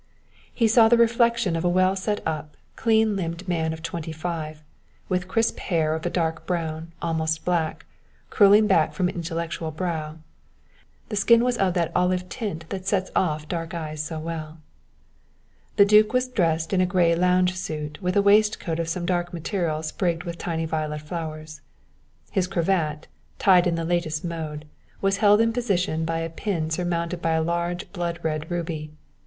He saw the reflection of a well set up, clean limbed man of twenty five, with crisp hair of a dark brown, almost black, curling back from an intellectual brow. The skin was of that olive tint that sets off dark eyes so well. The duke was dressed in a grey lounge suit with a waistcoat of some dark material sprigged with tiny violet flowers. His cravat, tied in the latest mode, was held in position by a pin surmounted by a large blood red ruby.